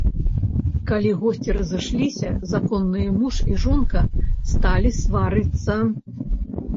Калі госці разышліся, законныя муж і жонка сталі сварыцца.